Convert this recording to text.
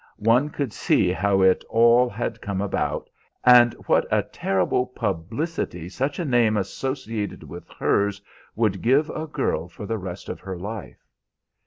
One could see how it all had come about, and what a terrible publicity such a name associated with hers would give a girl for the rest of her life.